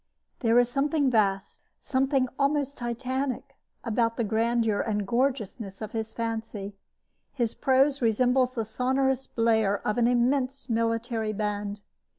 There is something vast, something almost Titanic, about the grandeur and gorgeousness of his fancy. His prose resembles the sonorous blare of an immense military band.